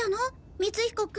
光彦君。